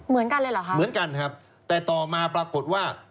เหมือนกันเลยเหรอคะเหมือนกันครับแต่ต่อมาปรากฏว่า